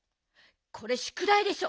これしゅくだいでしょ。